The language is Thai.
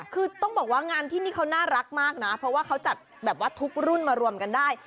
คือต้องบอกว่างานที่นี่เขาน่ารักมากนะเพราะว่าเขาจัดแบบว่าทุกรุ่นมารวมกันได้